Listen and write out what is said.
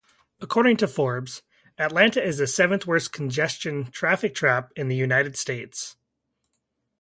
According to "Forbes", Atlanta is the seventh-worst congestion "traffic trap" in the United States.